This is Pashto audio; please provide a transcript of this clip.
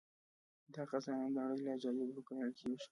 دا خزانه د نړۍ له عجايبو ګڼل کیږي